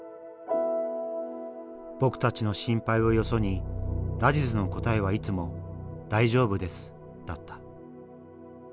僕たちの心配をよそにラジズの答えはいつも「大丈夫です」だった。